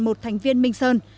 một thành viên minh sơn